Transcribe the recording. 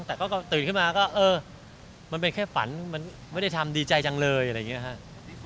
แต่ก็ตื่นขึ้นมาก็เออมันเป็นแค่ฝันมันไม่ได้ทำดีใจจังเลยอะไรอย่างนี้ครับ